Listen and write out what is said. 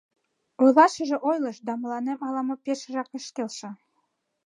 Ойлашыже ойлыш, да мыланем ала-мо пешыжак ыш келше.